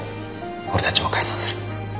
俺たちも解散する。